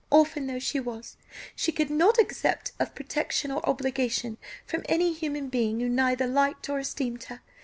Orphan though she was, she could not accept of protection or obligation from any human being who neither liked or esteemed her.